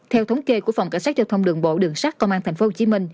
theo thống kê của phòng cảnh sát giao thông đường bộ đường sát tp hcm